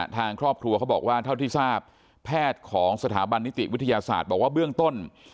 ทางครอบครัวเขาบอกว่าเท่าที่ทราบแพทย์ของสถาบันนิติวิทยาศาสตร์บอกว่าเบื้องต้น